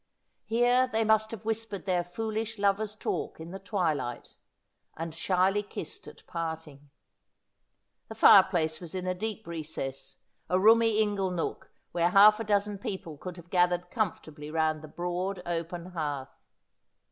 Here they must have whispered their foolish lovers' talk in the twilight, and shyly kissed at parting. The fire place was in a deep recess, a roomy ingle nook where half a dozen people could have gathered comfortably round the broad open hearth.